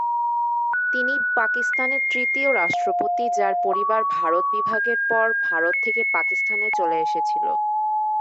তিনি পাকিস্তানের তৃতীয় রাষ্ট্রপতি যার পরিবার ভারত বিভাগের পরে ভারত থেকে পাকিস্তানে চলে এসেছিল।